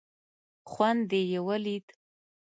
خوند دې یې ولید.